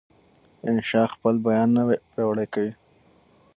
انشا خپل بیان نه پیاوړی کوي.